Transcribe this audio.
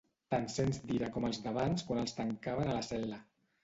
T'encens d'ira com els d'abans quan els tancaven a la cel·la.